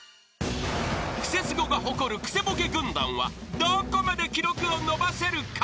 ［『クセスゴ』が誇るクセボケ軍団はどこまで記録を伸ばせるか？］